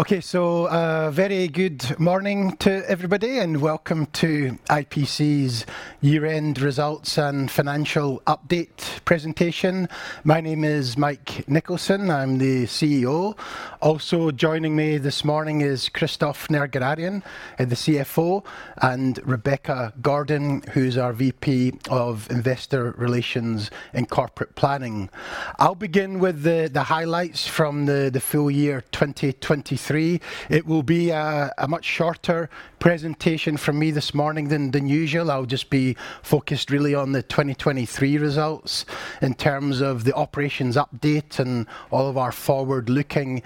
Okay. Very good morning to everybody, and welcome to IPC's year-end results and financial update presentation. My name is Mike Nicholson. I'm the CEO. Also joining me this morning is Christophe Nerguararian, the CFO, and Rebecca Gordon, who's our VP of Investor Relations and Corporate Planning. I'll begin with the highlights from the full year 2023. It will be a much shorter presentation from me this morning than usual. I'll just be focused really on the 2023 results in terms of the operations update and all of our forward-looking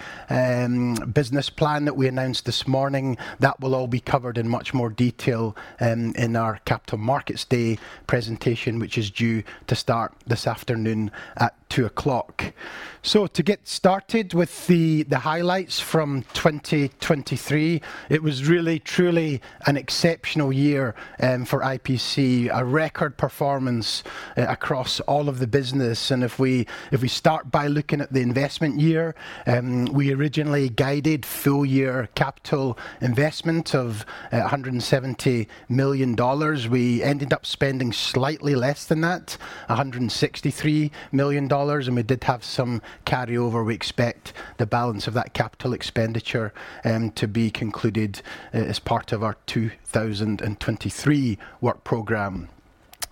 business plan that we announced this morning. That will all be covered in much more detail in our Capital Markets Day presentation, which is due to start this afternoon at 2:00 P.M. To get started with the highlights from 2023, it was really truly an exceptional year for IPC. A record performance across all of the business. If we start by looking at the investment year, we originally guided full-year capital investment of $170 million. We ended up spending slightly less than that, $163 million, and we did have some carryover. We expect the balance of that capital expenditure to be concluded as part of our 2023 work program.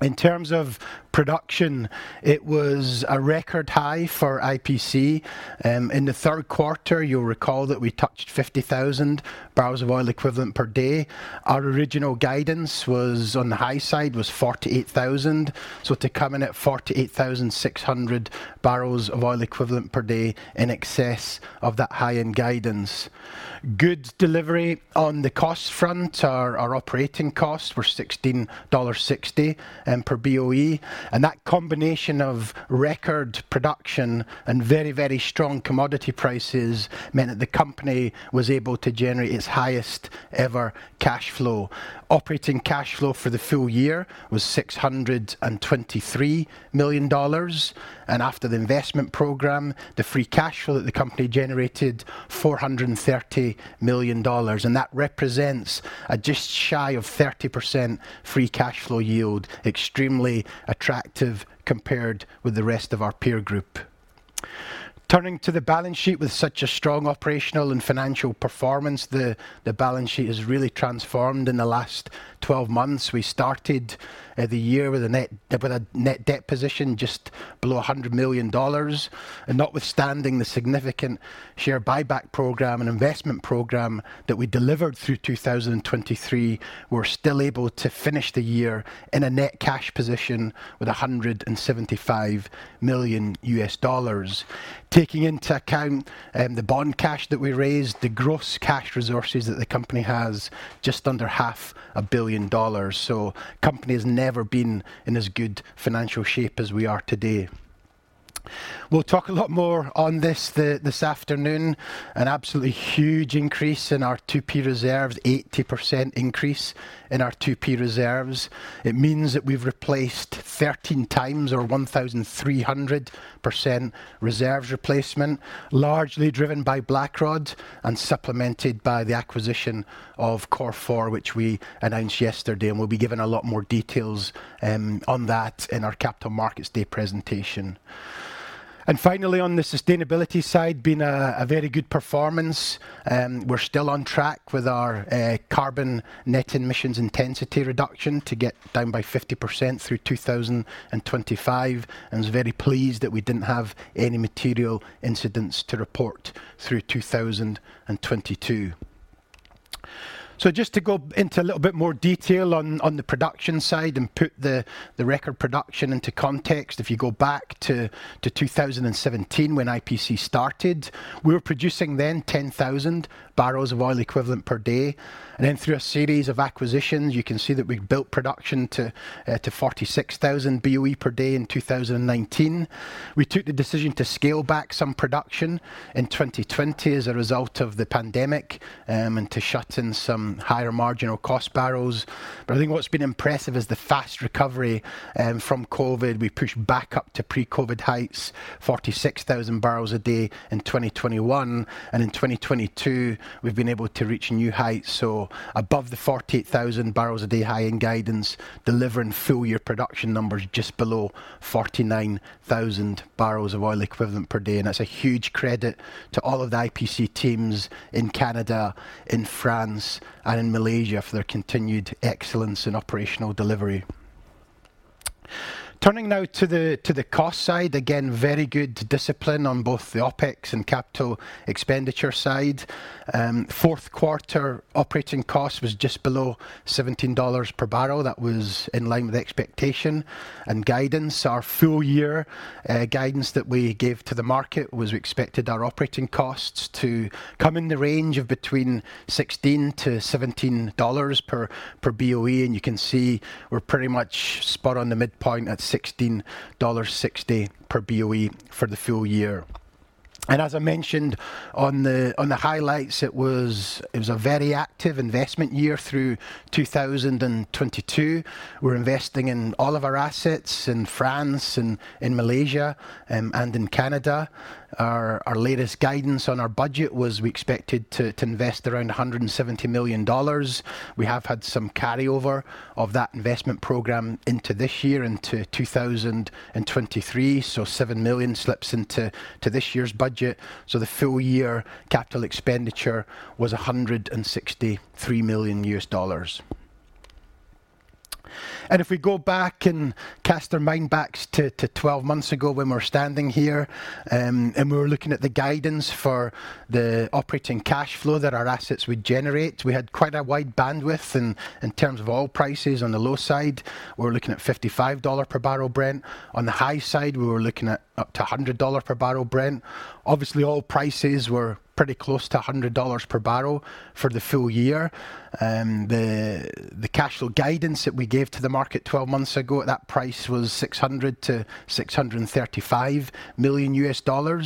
In terms of production, it was a record high for IPC. In the third quarter, you'll recall that we touched 50,000 BOE per day. Our original guidance was on the high side, was 48,000. To come in at 48,600 bbl of oil equivalent per day in excess of that high-end guidance. Good delivery on the cost front. Our operating costs were $16.60 per BOE. That combination of record production and very, very strong commodity prices meant that the company was able to generate its highest ever cash flow. Operating cash flow for the full year was $623 million. After the investment program, the free cash flow that the company generated $430 million. That represents a just shy of 30% free cash flow yield, extremely attractive compared with the rest of our peer group. Turning to the balance sheet. With such a strong operational and financial performance, the balance sheet has really transformed in the last 12 months. We started the year with a net debt position just below $100 million. Notwithstanding the significant share buyback program and investment program that we delivered through 2023, we're still able to finish the year in a net cash position with $175 million. Taking into account the bond cash that we raised, the gross cash resources that the company has just under half a billion dollars. Company's never been in as good financial shape as we are today. We'll talk a lot more on this this afternoon. An absolutely huge increase in our 2P reserves, 80% increase in our 2P reserves. It means that we've replaced 13x or 1,300% reserves replacement, largely driven by Blackrod and supplemented by the acquisition of Cor4, which we announced yesterday. We'll be giving a lot more details on that in our Capital Markets Day presentation. Finally, on the sustainability side, been a very good performance. We're still on track with our carbon net emissions intensity reduction to get down by 50% through 2025 and was very pleased that we didn't have any material incidents to report through 2022. Just to go into a little bit more detail on the production side and put the record production into context. If you go back to 2017 when IPC started, we were producing then 10,000 bbl of oil equivalent per day. Then through a series of acquisitions, you can see that we built production to 46,000 BOE per day in 2019. We took the decision to scale back some production in 2020 as a result of the pandemic, and to shut in some higher marginal cost barrels. I think what's been impressive is the fast recovery from COVID. We pushed back up to pre-COVID heights, 46,000 bbl a day in 2021. In 2022, we've been able to reach new heights, so above the 48,000 bbl a day high-end guidance, delivering full-year production numbers just below 49,000 bbl of oil equivalent per day. That's a huge credit to all of the IPC teams in Canada, in France, and in Malaysia for their continued excellence in operational delivery. Turning now to the, to the cost side. Again, very good discipline on both the OpEx and capital expenditure side. Fourth quarter operating cost was just below $17 per bbl. That was in line with expectation and guidance. Our full year guidance that we gave to the market was we expected our operating costs to come in the range of between $16-$17 per BOE. You can see we're pretty much spot on the midpoint at $16.60 per BOE for the full year. As I mentioned on the highlights, it was a very active investment year through 2022. We're investing in all of our assets in France and in Malaysia and in Canada. Our latest guidance on our budget was we expected to invest around $170 million. We have had some carryover of that investment program into this year, into 2023. $7 million slips into this year's budget. The full year capital expenditure was $163 million. If we go back and cast our mind back to 12 months ago when we were standing here, and we were looking at the guidance for the operating cash flow that our assets would generate, we had quite a wide bandwidth in terms of oil prices on the low side. We were looking at $55 per bbl Brent. On the high side, we were looking at up to $100 per bbl Brent. Obviously, oil prices were pretty close to $100 per bbl for the full year. The cash flow guidance that we gave to the market 12 months ago at that price was $600 million-$635 million.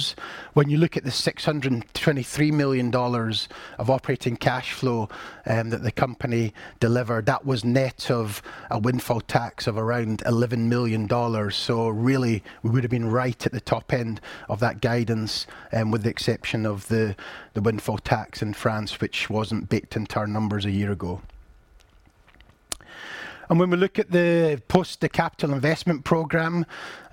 When you look at the $623 million of operating cash flow, that the company delivered, that was net of a windfall tax of around $11 million. Really, we would have been right at the top end of that guidance, with the exception of the windfall tax in France, which wasn't baked into our numbers a year ago. When we look at the post capital investment program,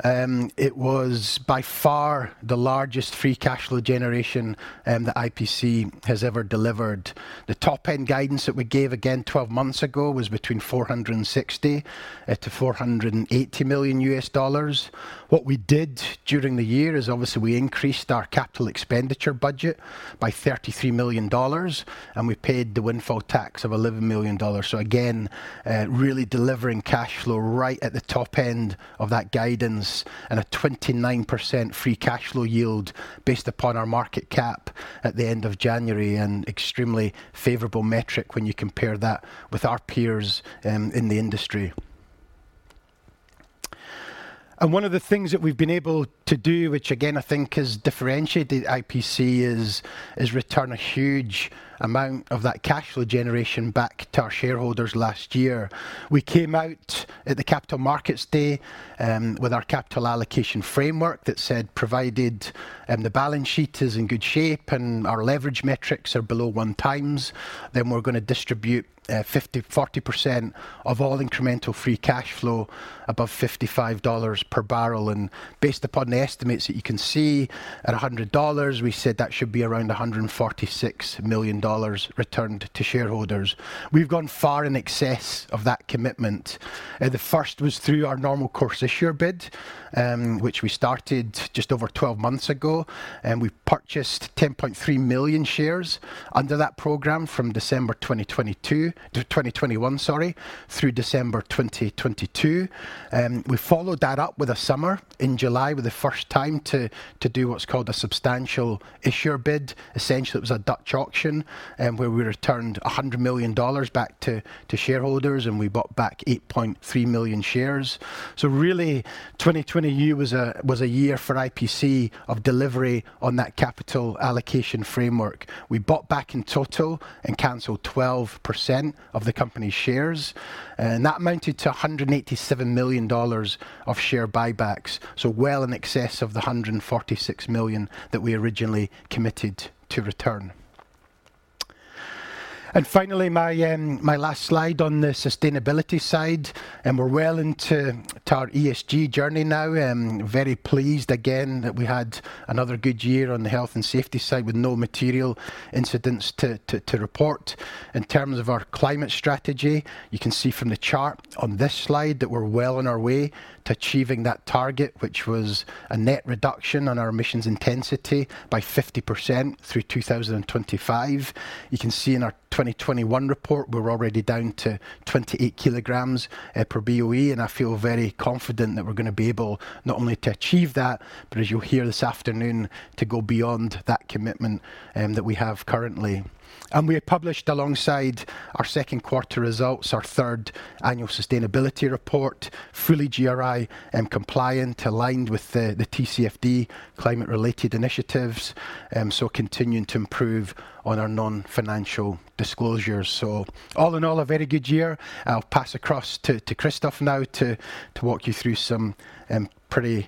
it was by far the largest free cash flow generation that IPC has ever delivered. The top-end guidance that we gave, again, 12 months ago was between $460 million-$480 million U.S. dollars. What we did during the year is, obviously, we increased our capital expenditure budget by $33 million, and we paid the windfall tax of $11 million. Again, really delivering cash flow right at the top end of that guidance and a 29% free cash flow yield based upon our market cap at the end of January, an extremely favorable metric when you compare that with our peers, in the industry. One of the things that we've been able to do, which again I think has differentiated IPC, is return a huge amount of that cash flow generation back to our shareholders last year. We came out at the Capital Markets Day, with our capital allocation framework that said, provided, the balance sheet is in good shape and our leverage metrics are below 1x, we're gonna distribute, 40% of all incremental free cash flow above $55 per bbl. Based upon the estimates that you can see at $100, we said that should be around $146 million returned to shareholders. We've gone far in excess of that commitment. The first was through our normal course issuer bid, which we started just over 12 months ago. We purchased 10.3 million shares under that program from December 2021 through December 2022. We followed that up with a summer in July with the first time to do what's called a substantial issuer bid. Essentially, it was a Dutch auction, where we returned $100 million back to shareholders, and we bought back 8.3 million shares. Really, 2020 was a year for IPC of delivery on that capital allocation framework. We bought back in total and canceled 12% of the company's shares. That amounted to $187 million of share buybacks. Well in excess of the $146 million that we originally committed to return. Finally, my last slide on the sustainability side, and we're well into to our ESG journey now. Very pleased again that we had another good year on the health and safety side with no material incidents to report. In terms of our climate strategy, you can see from the chart on this slide that we're well on our way to achieving that target, which was a net reduction on our emissions intensity by 50% through 2025. You can see in our 2021 report, we're already down to 28 kg per BOE, and I feel very confident that we're gonna be able not only to achieve that, but as you'll hear this afternoon, to go beyond that commitment that we have currently. We have published alongside our second quarter results, our third annual sustainability report, fully GRI and compliant, aligned with the TCFD climate-related initiatives, so continuing to improve on our non-financial disclosures. All in all, a very good year. I'll pass across to Christophe now to walk you through some pretty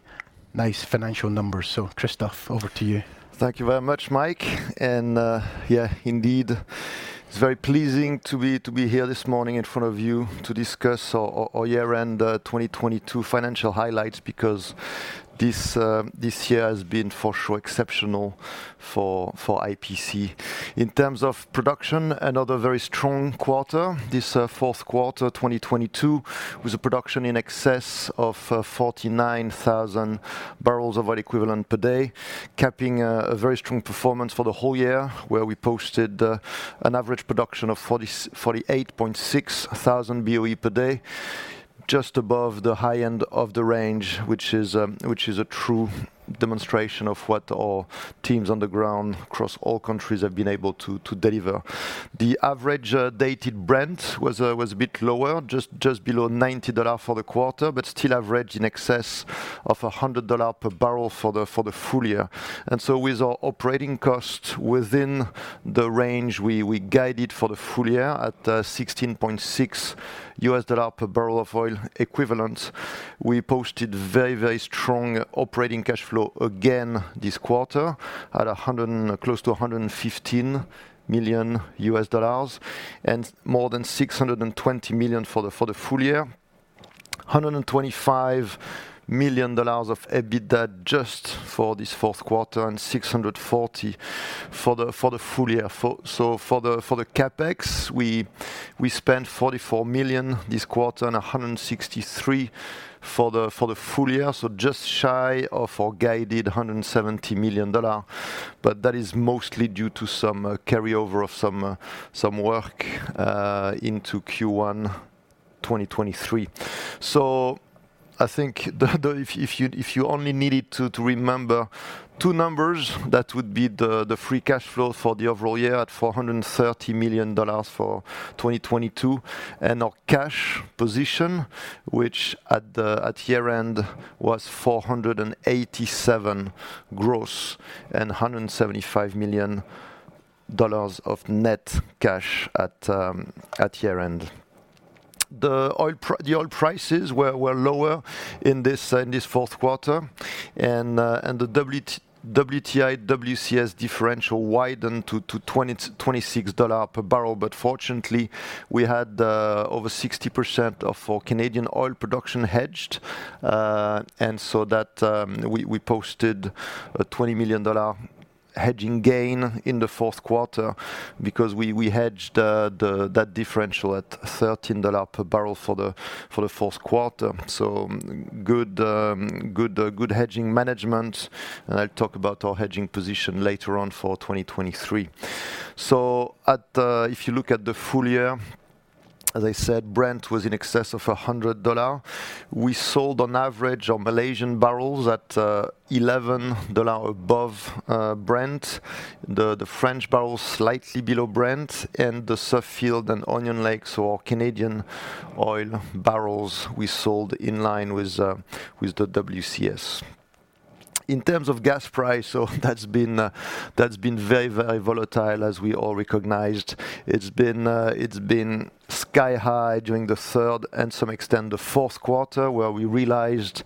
nice financial numbers. Christophe, over to you. Thank you very much, Mike. Yeah, indeed, it's very pleasing to be here this morning in front of you to discuss our year-end 2022 financial highlights because this year has been for sure exceptional for IPC. In terms of production, another very strong quarter. This fourth quarter 2022 was a production in excess of 49,000 bbl of oil equivalent per day, capping a very strong performance for the whole year, where we posted an average production of 48.6 thousand BOE per day. Just above the high end of the range, which is a true demonstration of what our teams on the ground across all countries have been able to deliver. The average dated Brent was a bit lower, just below $90 for the quarter, but still average in excess of $100 per bbl for the full year. With our operating costs within the range we guided for the full year at $16.6 per bbl of oil equivalent. We posted very, very strong operating cash flow again this quarter at $115 million and more than $620 million for the full year. $125 million of EBITDA just for this fourth quarter and $640 million for the full year. For the CapEx, we spent $44 million this quarter and $163 million for the full year. Just shy of our guided $170 million. That is mostly due to some carryover of some work into Q1 2023. I think if you only needed to remember two numbers, that would be the free cash flow for the overall year at $430 million for 2022. Our cash position, which at year-end was $487 million gross and $175 million of net cash at year-end. The oil prices were lower in this Q4. The WTI, WCS differential widened to $26 per bbl. Fortunately, we had over 60% of our Canadian oil production hedged. That, we posted a $20 million hedging gain in the fourth quarter because we hedged that differential at $13 per bbl for the fourth quarter. Good hedging management. I'll talk about our hedging position later on for 2023. At, if you look at the full year, as I said, Brent was in excess of $100. We sold on average our Malaysian barrels at $11 above Brent. The French barrels slightly below Brent, and the Suffield and Onion Lake, so our Canadian oil barrels we sold in line with the WCS. In terms of gas price, that's been very, very volatile as we all recognized. It's been sky high during the third and some extent the fourth quarter, where we realized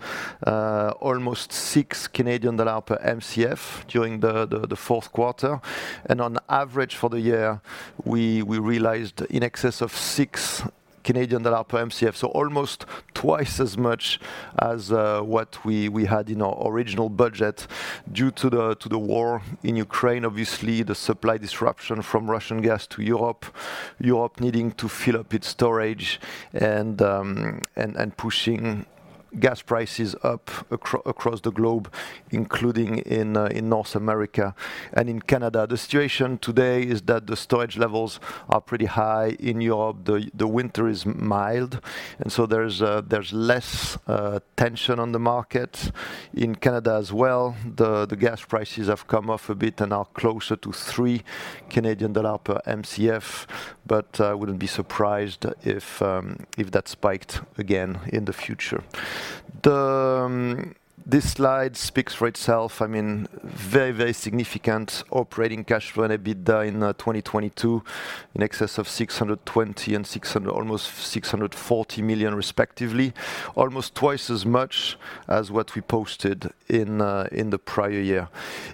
almost 6 Canadian dollars per Mcf during the fourth quarter. On average for the year, we realized in excess of 6 Canadian dollar per Mcf, so almost twice as much as what we had in our original budget due to the war in Ukraine, obviously, the supply disruption from Russian gas to Europe needing to fill up its storage and pushing gas prices up across the globe, including in North America and in Canada. The situation today is that the storage levels are pretty high in Europe. The winter is mild, and so there's less tension on the market. In Canada as well, the gas prices have come off a bit and are closer to 3 Canadian dollar per Mcf. I wouldn't be surprised if that spiked again in the future. This slide speaks for itself. I mean, very, very significant operating cash flow and EBITDA in 2022, in excess of $620 million and almost $640 million respectively, almost twice as much as what we posted in the prior year.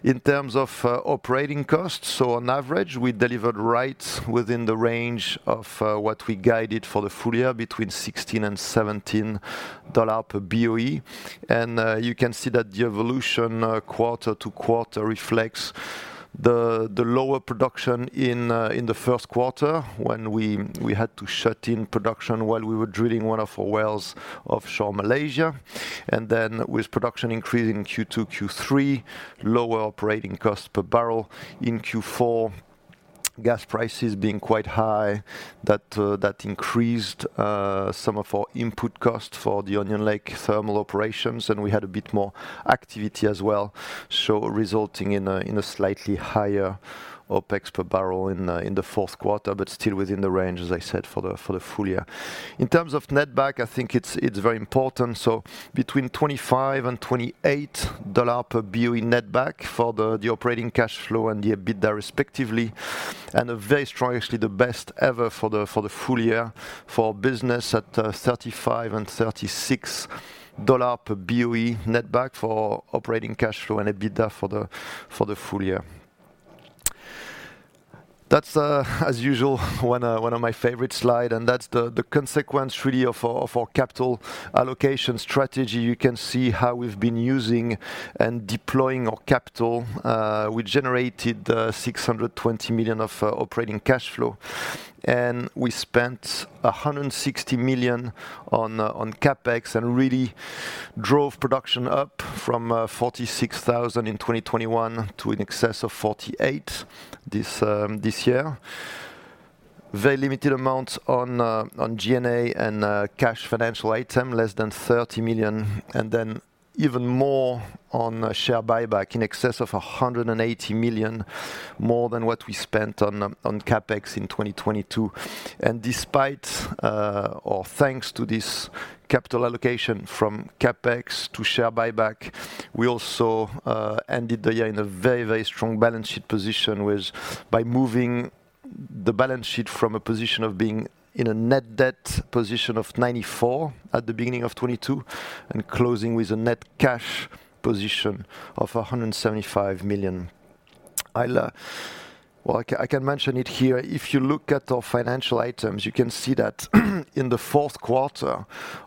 In terms of operating costs, on average, we delivered right within the range of what we guided for the full year between $16-$17 per BOE. You can see that the evolution quarter to quarter reflects the lower production in the first quarter when we had to shut in production while we were drilling one of our wells offshore Malaysia. With production increasing in Q2, Q3, lower operating cost per barrel. In Q4, gas prices being quite high, that increased some of our input costs for the Onion Lake thermal operations, and we had a bit more activity as well. Resulting in a slightly higher OpEx per barrel in the fourth quarter, but still within the range, as I said, for the full year. In terms of netback, I think it's very important. Between $25 and $28 per BOE netback for the operating cash flow and the EBITDA respectively, and a very strong, actually the best ever for the full year for business at $35 and $36 per BOE netback for operating cash flow and EBITDA for the full year. That's as usual, one of my favorite slide, and that's the consequence really of our capital allocation strategy. You can see how we've been using and deploying our capital. We generated $620 million of operating cash flow, and we spent $160 million on CapEx and really drove production up from 46,000 in 2021 to in excess of 48,000 this year. Very limited amounts on on G&A and cash financial item, less than $30 million, and then even more on a share buyback in excess of $180 million more than what we spent on on CapEx in 2022. Despite or thanks to this capital allocation from CapEx to share buyback, we also ended the year in a very, very strong balance sheet position with by moving the balance sheet from a position of being in a net debt position of $94 million at the beginning of 2022 and closing with a net cash position of $175 million. I'll. Well, I can mention it here. If you look at our financial items, you can see that in the fourth quarter,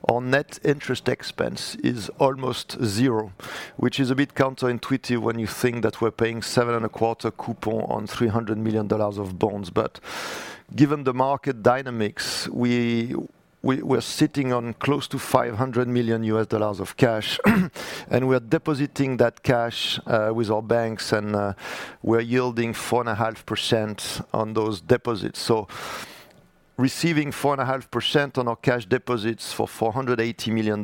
our net interest expense is almost zero, which is a bit counterintuitive when you think that we're paying seven and a quarter coupon on $300 million of bonds. Given the market dynamics, we're sitting on close to $500 million of cash and we are depositing that cash with our banks, and we're yielding 4.5% on those deposits. Receiving 4.5% on our cash deposits for $480 million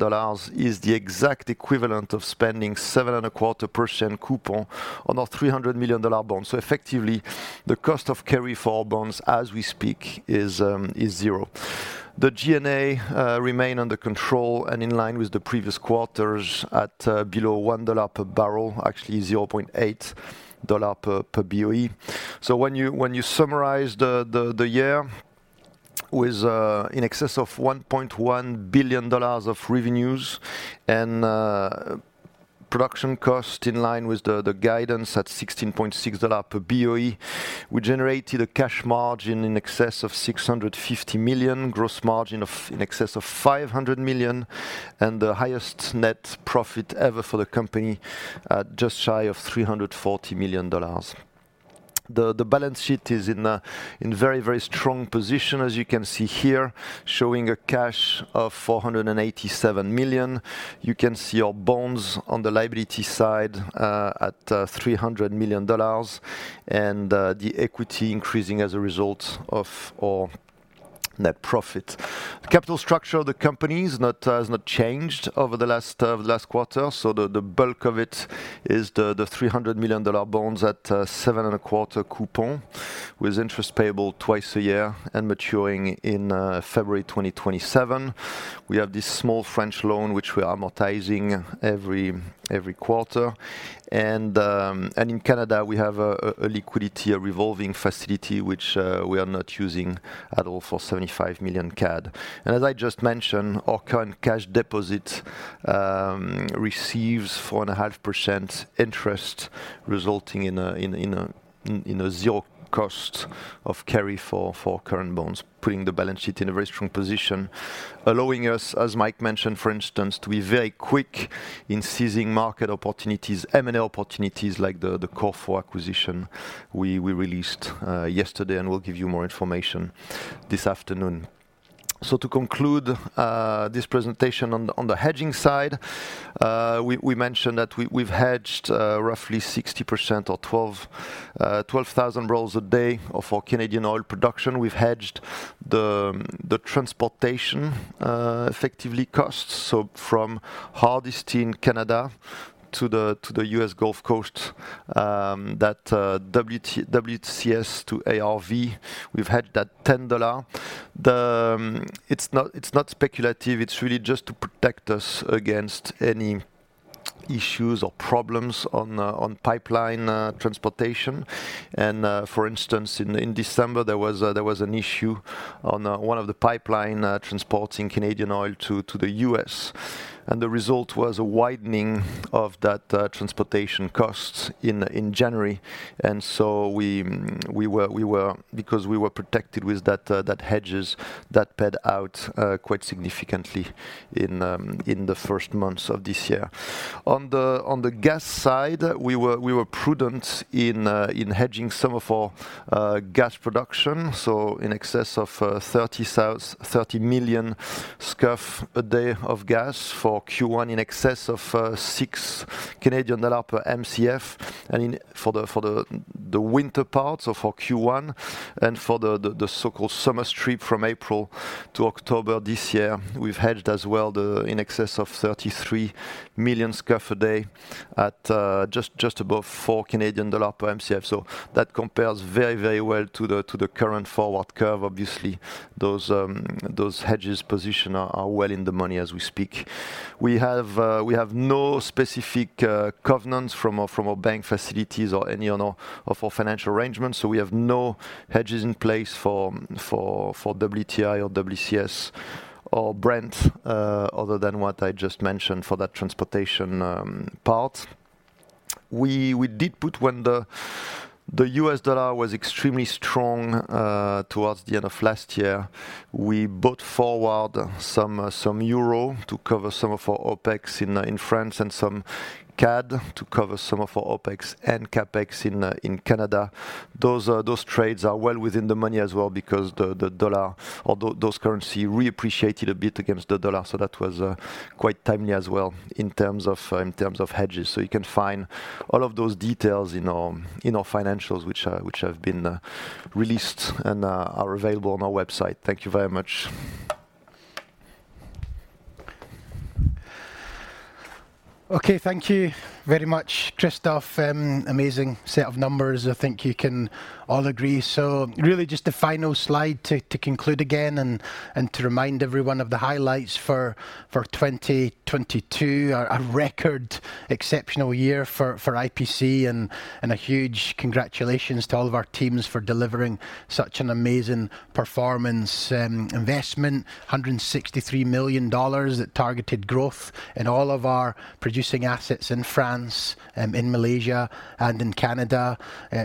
is the exact equivalent of spending 7.25% Coupon on our $300 million bond. Effectively, the cost of carry for our bonds as we speak is zero. The G&A remain under control and in line with the previous quarters at below $1 per barrel, actually $0.8 per BOE. When you summarize the year with in excess of $1.1 billion of revenues and production cost in line with the guidance at $16.6 per BOE, we generated a cash margin in excess of $650 million, gross margin of in excess of $500 million, and the highest net profit ever for the company at just shy of $340 million. The balance sheet is in a very, very strong position, as you can see here, showing a cash of $487 million. You can see our bonds on the liability side, at $300 million and the equity increasing as a result of our net profit. The capital structure of the company has not changed over the last quarter. The bulk of it is the $300 million bonds at 7.25% Coupon, with interest payable twice a year and maturing in February 2027. We have this small French loan, which we are amortizing every quarter. In Canada, we have a liquidity, a revolving facility which we are not using at all for 75 million CAD. As I just mentioned, our current cash deposit receives 4.5% interest resulting in a zero cost of carry for current bonds, putting the balance sheet in a very strong position, allowing us, as Mike mentioned, for instance, to be very quick in seizing market opportunities, M&A opportunities like the Cor4 Oil Corp. acquisition we released yesterday, and we'll give you more information this afternoon. To conclude this presentation on the hedging side, we mentioned that we've hedged roughly 60% or 12,000 barrels a day of our Canadian oil production. We've hedged the transportation effectively costs. From Hardisty in Canada to the U.S. Gulf Coast, that WTI-WCS to ARV, we've hedged that $10. The- It's not speculative. It's really just to protect us against any issues or problems on pipeline transportation. For instance, in December, there was an issue on one of the pipeline transporting Canadian oil to the U.S. The result was a widening of that transportation costs in January. So we were because we were protected with that hedges, that paid out quite significantly in the first months of this year. On the gas side, we were prudent in hedging some of our gas production, so in excess of 30 million scf a day of gas for Q1 in excess of 6 Canadian dollar per Mcf. In, for the winter part, so for Q1 and for the so-called summer strip from April to October this year, we've hedged as well the in excess of 33 million scf a day at just above 4 Canadian dollar per Mcf. That compares very well to the current forward curve. Obviously, those hedges position are well in the money as we speak. We have no specific covenants from our bank facilities or any of our financial arrangements, we have no hedges in place for WTI or WCS or Brent, other than what I just mentioned for that transportation part. We did put when the U.S. dollar was extremely strong towards the end of last year. We bought forward some EUR to cover some of our OpEx in France and some CAD to cover some of our OpEx and CapEx in Canada. Those trades are well within the money as well because the dollar, although those currency reappreciated a bit against the dollar, that was quite timely as well in terms of hedges. You can find all of those details in our financials, which have been released and are available on our website. Thank you very much. Okay. Thank you very much, Christophe. amazing set of numbers I think you can all agree. Really just the final slide to conclude again and to remind everyone of the highlights for 2022. A record exceptional year for IPC and a huge congratulations to all of our teams for delivering such an amazing performance. Investment, $163 million that targeted growth in all of our producing assets in France, in Malaysia and in Canada.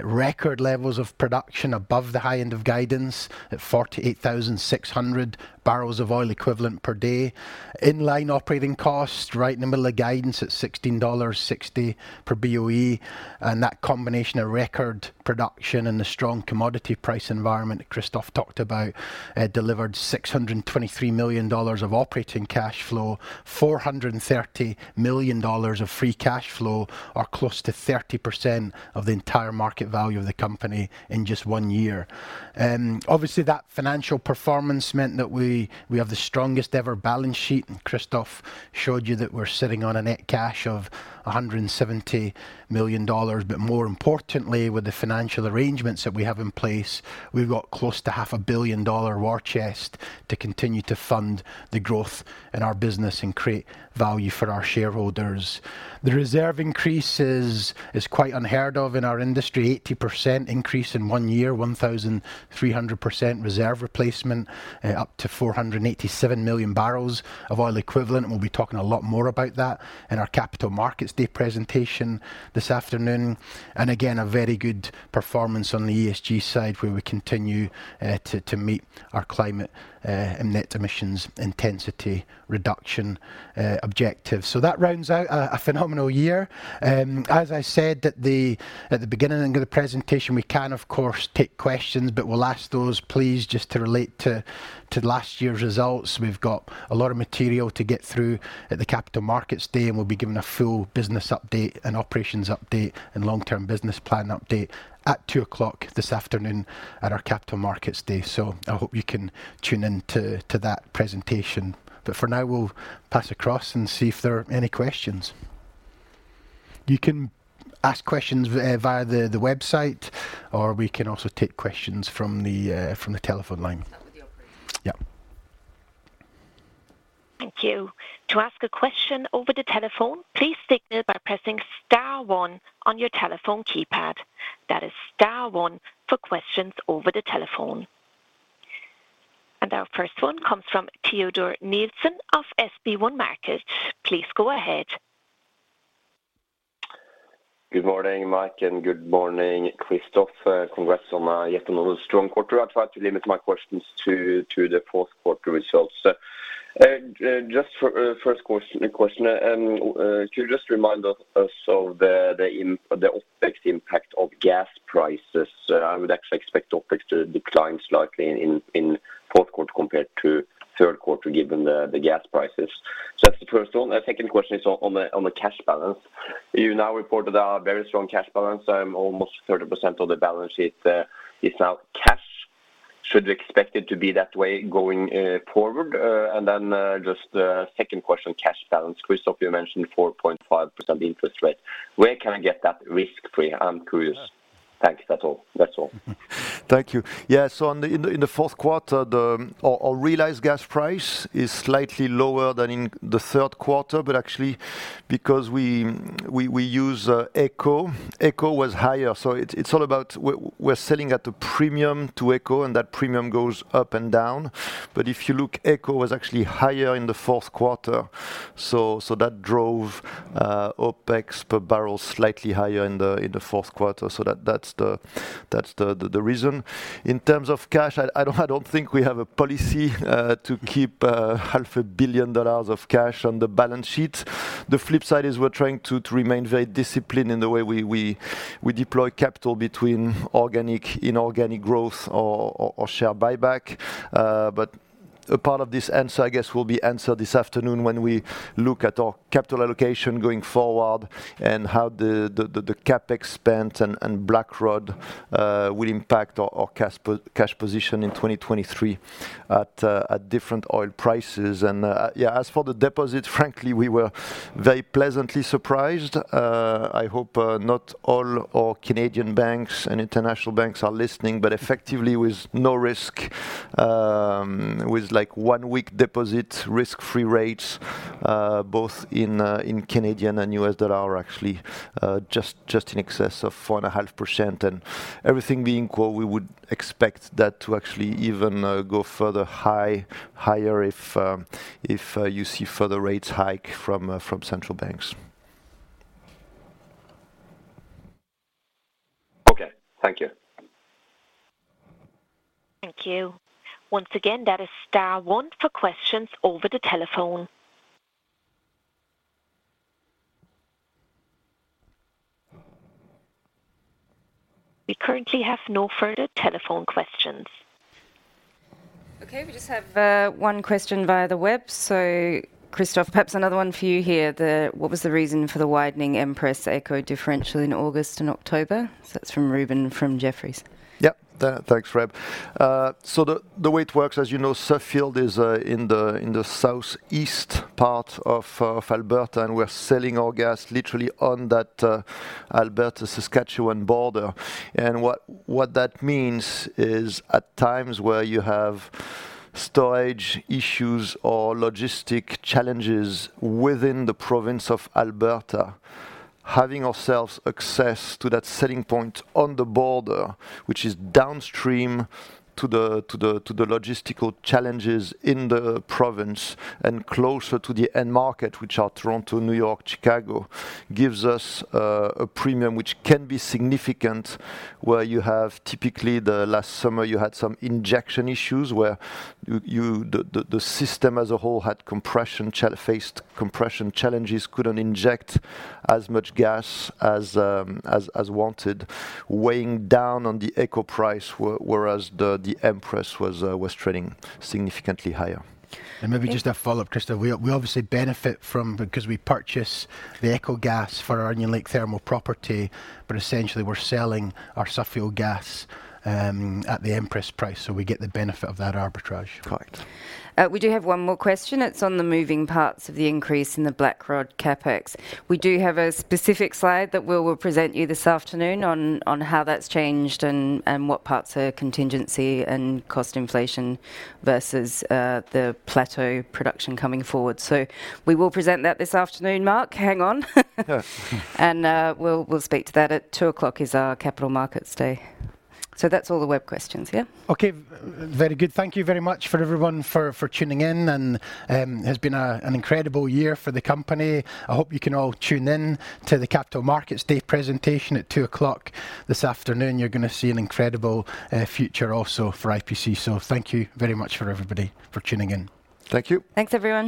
Record levels of production above the high end of guidance at 48,600 bbl of oil equivalent per day. Inline operating costs right in the middle of guidance at $16.60 per BOE. That combination of record production and the strong commodity price environment that Christophe talked about, delivered $623 million of operating cash flow, $430 million of free cash flow, or close to 30% of the entire market value of the company in just one year. Obviously, that financial performance meant that we have the strongest ever balance sheet. Christophe showed you that we're sitting on a net cash of $170 million. More importantly, with the financial arrangements that we have in place, we've got close to half a billion dollar war chest to continue to fund the growth in our business and create value for our shareholders. The reserve increase is quite unheard of in our industry. 80% increase in one year, 1,300% reserve replacement, up to 487 million bbl of oil equivalent. We'll be talking a lot more about that in our Capital Markets Day presentation this afternoon. Again, a very good performance on the ESG side, where we continue to meet our climate and net emissions intensity reduction objectives. That rounds out a phenomenal year. As I said at the beginning of the presentation, we can of course take questions, we'll ask those please just to relate to last year's results. We've got a lot of material to get through at the Capital Markets Day, we'll be giving a full business update and operations update and long-term business plan update at 2:00 P.M. this afternoon at our Capital Markets Day. I hope you can tune in to that presentation. For now we'll pass across and see if there are any questions. You can ask questions via the website, or we can also take questions from the telephone line. Start with the operators. Yeah. Thank you. To ask a question over the telephone, please signal by pressing star one on your telephone keypad. That is star one for questions over the telephone. Our first one comes from Teodor Sveen-Nilsen of SB1 Markets. Please go ahead. Good morning, Mike, and good morning, Christophe. Congrats on yet another strong quarter. I'll try to limit my questions to the fourth quarter results. Just for first question, could you just remind us of the OpEx impact of gas prices? I would actually expect OpEx to decline slightly in fourth quarter compared to third quarter given the gas prices. That's the first one. Second question is on the cash balance. You now reported a very strong cash balance. Almost 30% of the balance sheet is now cash. Should we expect it to be that way going forward? Just, second question, cash balance. Christophe, you mentioned 4.5% interest rate. Where can I get that risk-free? I'm curious. Thanks. That's all. That's all. Thank you. Yeah, in the fourth quarter, our realized gas price is slightly lower than in the third quarter, actually because we use AECO. AECO was higher, it's all about we're selling at a premium to AECO, and that premium goes up and down. If you look, AECO was actually higher in the fourth quarter. That drove OpEx per barrel slightly higher in the fourth quarter. That's the reason. In terms of cash, I don't think we have a policy to keep half a billion dollars of cash on the balance sheet. The flip side is we're trying to remain very disciplined in the way we deploy capital between organic, inorganic growth or share buyback. A part of this answer, I guess, will be answered this afternoon when we look at our capital allocation going forward and how the CapEx spend and Blackrod will impact our cash position in 2023 at different oil prices. As for the deposit, frankly, we were very pleasantly surprised. I hope not all our Canadian banks and international banks are listening, but effectively with no risk, with like one week deposit risk-free rates, both in Canadian and U.S. dollar actually, just in excess of 4.5%. Everything being equal, we would expect that to actually even go further higher if you see further rates hike from central banks. Okay. Thank you. Thank you. Once again, that is star one for questions over the telephone. We currently have no further telephone questions. Okay. We just have one question via the web. Christophe, perhaps another one for you here. What was the reason for the widening Empress-AECO differential in August and October? That's from Ruben from Jefferies. Yep. Thanks, Ruben. So the way it works, as you know, Suffield is in the southeast part of Alberta. We're selling our gas literally on that Alberta-Saskatchewan border. What that means is at times where you have storage issues or logistic challenges within the province of Alberta, having ourselves access to that selling point on the border, which is downstream to the logistical challenges in the province and closer to the end market, which are Toronto, New York, Chicago, gives us a premium which can be significant, where you have typically the last summer you had some injection issues where the system as a whole faced compression challenges, couldn't inject as much gas as wanted, weighing down on the AECO price whereas the Empress was trading significantly higher. Okay. Maybe just a follow-up, Christophe. We obviously benefit from because we purchase the AECO gas for our Onion Lake thermal property, but essentially we're selling our Suffield gas at the Empress price, so we get the benefit of that arbitrage. Correct. We do have one more question. It's on the moving parts of the increase in the Blackrod CapEx. We do have a specific slide that we will present you this afternoon on how that's changed and what parts are contingency and cost inflation versus the plateau production coming forward. We will present that this afternoon, Mark. Hang on. We'll speak to that at 2:00 P.M. is our Capital Markets Day. That's all the web questions, yeah? Okay. Very good. Thank you very much for everyone for tuning in and it has been an incredible year for the company. I hope you can all tune in to the Capital Markets Day presentation at 2:00 this afternoon. You're gonna see an incredible future also for IPC. Thank you very much for everybody for tuning in. Thank you. Thanks, everyone.